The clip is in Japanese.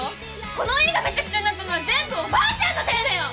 この家がめちゃくちゃになったのは全部おばあちゃんのせいだよ。